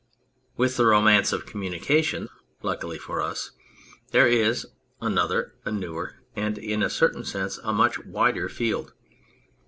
With the romance of communication, luckily for us, there is another, a newer and, in a certain sense, a much wider field.